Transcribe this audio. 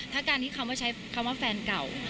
ถ้าการที่คำว่าใช้คำว่าแฟนเก่า